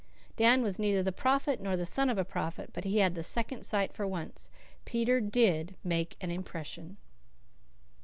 Dan was neither the prophet nor the son of a prophet, but he had the second sight for once; Peter DID make an impression.